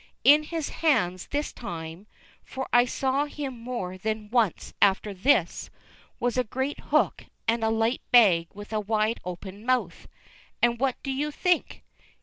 In his hands this time for I saw him more than once after this was a great hook and a light bag with a wide open mouth. And what do you think?